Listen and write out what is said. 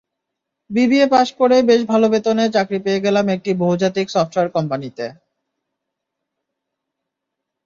BBA pass করেই বেশ ভালো বেতনে চাকরি পেয়ে গেলাম একটি বহুজাতিক সফটওয়্যার কোম্পানিতে।